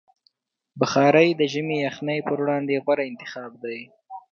بخاري د ژمي د یخنۍ پر وړاندې غوره انتخاب دی.